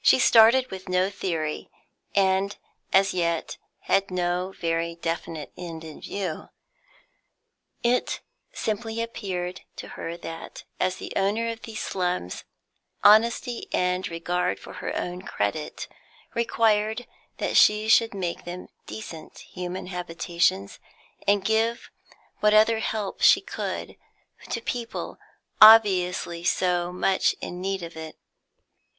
She started with no theory, and as yet had no very definite end in view; it simply appeared to her that, as owner of these slums, honesty and regard for her own credit required that she should make them decent human habitations, and give what other help she could to people obviously so much in need of it.